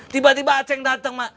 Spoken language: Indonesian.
tiba tiba acek dateng ma